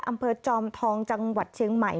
อำเภอจอมทองจังหวัดเชียงใหม่